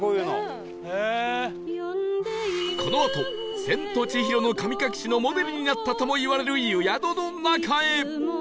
このあと『千と千尋の神隠し』のモデルになったともいわれる湯宿の中へ